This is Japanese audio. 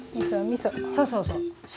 そうそうそう。